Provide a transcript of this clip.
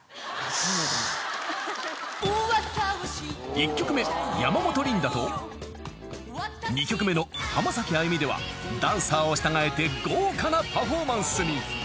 ［１曲目山本リンダと２曲目の浜崎あゆみではダンサーを従えて豪華なパフォーマンスに］